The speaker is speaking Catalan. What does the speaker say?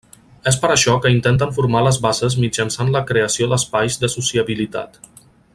És per això que intenten formar les bases mitjançant la creació d'espais de sociabilitat.